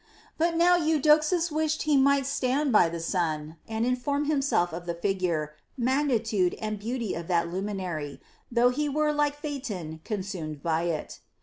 But now Eudoxus wished he might stand by the sun, and in form himself of the figure, magnitude, and beauty of that luminary, though he were, like Phaethon, consumed by it.